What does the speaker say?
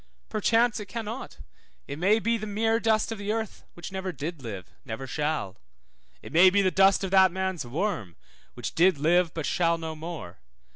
Perchance it cannot; it may be the mere dust of the earth, which never did live, never shall. It may be the dust of that man's worm, which did live, but shall no more.